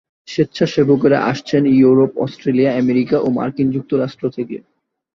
স্বেচ্ছাসেবকেরা আসছেন Europe, Australia, Asia ও মার্কিন যুক্তরাষ্ট্র থেকে।